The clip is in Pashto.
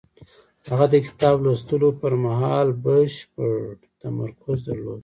هغه د کتاب لوستلو پر مهال بشپړ تمرکز درلود.